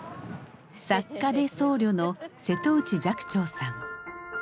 作家で僧侶の瀬戸内寂聴さん。